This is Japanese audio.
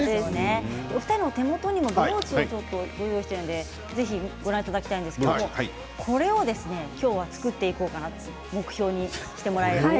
お二人の手元にもブローチを用意してるのでご覧いただきたいんですけれどもこれを今日は作っていこうかなと目標にしてもらえたら。